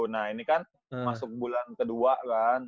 nah ini kan masuk bulan kedua kan